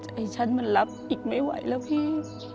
ไอ้ฉันมันรับอีกไม่ไหวแล้วพี่